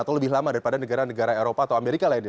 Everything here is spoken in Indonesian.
atau lebih lama daripada negara negara eropa atau amerika lainnya